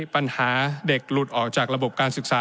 ปัญหาเด็กหลุดออกจากระบบการศึกษา